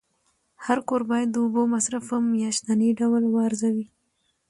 هر کور باید د اوبو مصرف په میاشتني ډول وارزوي.